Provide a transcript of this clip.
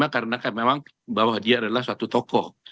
karena memang bahwa dia adalah suatu tokoh